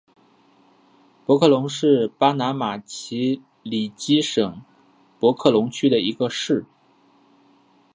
博克龙是巴拿马奇里基省博克龙区的一个市。